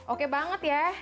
oke banget ya